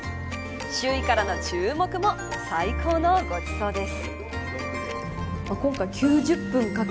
周囲からの注目も最高のごちそうです。